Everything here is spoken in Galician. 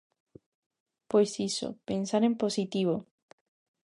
Pois iso, pensar en positivo.